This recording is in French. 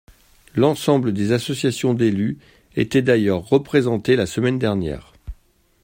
L’ensemble des associations d’élus étaient d’ailleurs représentées la semaine dernière.